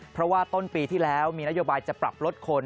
เพราะว่าต้นปีที่แล้วมีนโยบายจะปรับลดคน